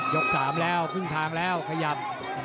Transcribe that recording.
นำ๓แล้วผึ้งทางแล้วขยับ